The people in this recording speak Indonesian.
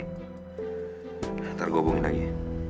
ntar gue hubungin lagi